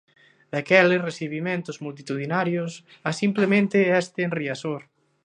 Daqueles recibimentos multitudinarios a simplemente este en Riazor.